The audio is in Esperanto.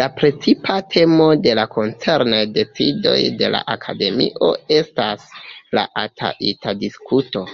La precipa temo de la koncernaj decidoj de la Akademio estas la ata-ita-diskuto.